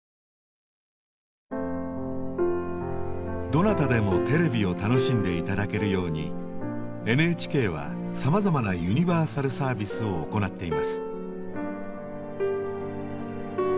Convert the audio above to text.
どなたでもテレビを楽しんで頂けるようにＮＨＫはさまざまなユニバーサルサービスを行っています。